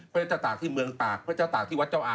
พระเจ้าตากที่เมืองตากพระเจ้าตากที่วัดเจ้าอา